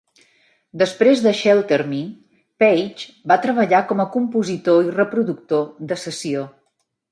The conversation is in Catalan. Després de "Shelter me", Page va treballar com a compositor i reproductor de sessió.